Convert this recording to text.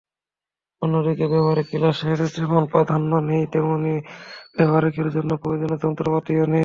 অন্যদিকে ব্যবহারিক ক্লাসের যেমন প্রাধান্য নেই, তেমনি ব্যবহারিকের জন্য প্রয়োজনীয় যন্ত্রপাতিও নেই।